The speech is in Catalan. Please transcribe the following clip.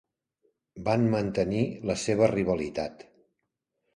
Van mantenir la seva rivalitat.